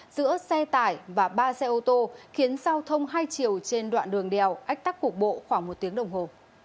giữa xe tải và ba xe ô tô khiến giao thông hai chiều trên đoạn đường đèo ách tắc cục bộ khoảng một tiếng đồng hồ